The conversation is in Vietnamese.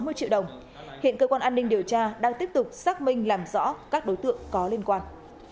giá là hơn sáu mươi triệu đồng hiện cơ quan an ninh điều tra đang tiếp tục xác minh làm rõ các đối tượng có liên quan